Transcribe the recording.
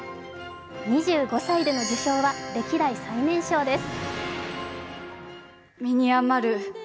２５歳での受賞は歴代最年少です。